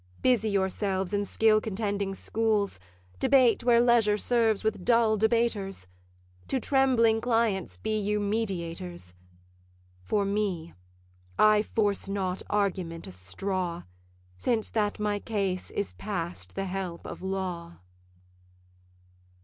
Busy yourselves in skill contending schools; Debate where leisure serves with dull debaters; To trembling clients be you mediators: For me, I force not argument a straw, Since that my case is past the help of law.